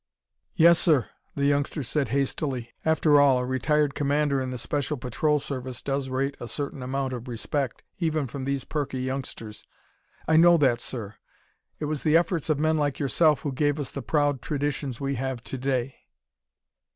"Yes, sir!" the youngster said hastily after all, a retired commander in the Special Patrol Service does rate a certain amount of respect, even from these perky youngsters "I know that, sir. It was the efforts of men like yourself who gave us the proud traditions we have to day."